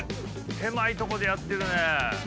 狭いとこでやってるね。